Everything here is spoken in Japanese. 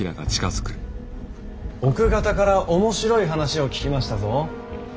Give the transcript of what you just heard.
奥方から面白い話を聞きましたぞ。